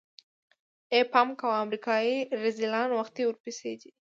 ای پام کوه امريکايي رذيلان وختي ورپسې دي.